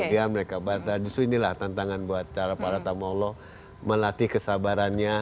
kemudian mereka batalkan justru inilah tantangan buat para tamu allah melatih kesabarannya